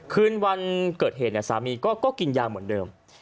คืนวันเกิดเหตุเนี่ยสามีก็กินยาหมดเดิม